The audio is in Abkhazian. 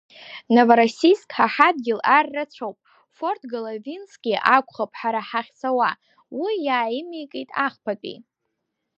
Новороссиск ҳа ҳадагьы ар рацәоуп, форт Головински акәхап ҳара ҳахьцауа, уи иааимеикит ахԥатәи.